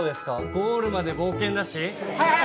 ゴールまで冒険だしはい